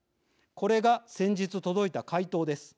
これが先日、届いた回答です。